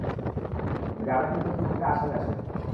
গ্রামের দিকে খুব একটা আসে না সে।